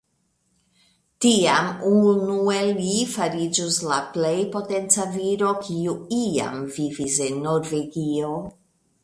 Tiam unu el ili fariĝus la plej potenca viro, kiu iam vivis en Norvegio.